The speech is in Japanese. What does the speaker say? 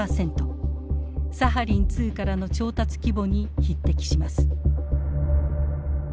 サハリン２からの調達規模に匹敵します。